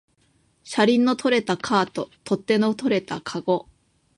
車輪の取れたカート、取っ手の取れたかご